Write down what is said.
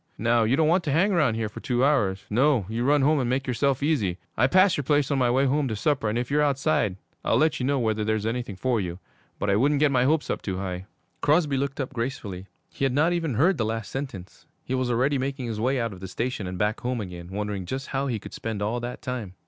Now, you don't want to hang round here for two hours. No, you run home and make yourself easy. I pass your place on my way home to supper, and if you're outside I'll let you know whether there's anything for you. But I wouldn't get my hopes up too high.' Crosby looked up gratefully. He had not even heard the last sentence. He was already making his way out of the station and back home again, wondering just how he could spend all that time.